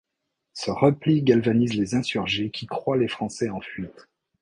Ce repli galvanise les insurgés qui croient les Français en fuite.